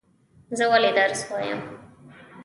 زه ولی درس وایم؟